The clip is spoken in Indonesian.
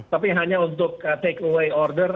tapi hanya untuk take away order